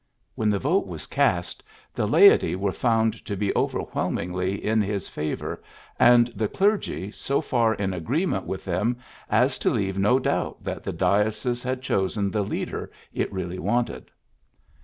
When the vote wjis ciist, the laity were found to be overwhelmingly in his favor, and the clergy so far in agreement with them as to leave no doubt that the dio cese had chosen the leader it really wanted.